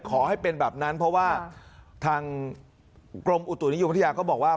ขอให้เป็นแบบนั้นเพราะว่าทางกรมอุตุนิยมพัทยาก็บอกว่า